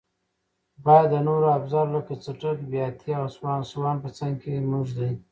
باید د نورو افزارو لکه څټک، بیاتي او سوان په څنګ کې مه ږدئ.